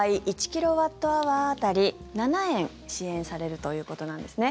１キロワットアワー当たり７円支援されるということなんですね。